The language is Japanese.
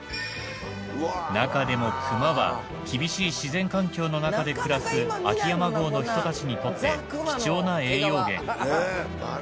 なかでも熊は厳しい自然環境の中で暮らす秋山郷の人たちにとって貴重な栄養源。